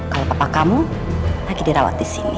kalau papa kamu lagi dirawat di sini